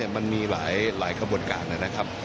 มันมีหลายกระบวนการนะครับ